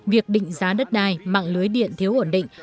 việc định giá đất đai mạng lưới điện thiếu ổn định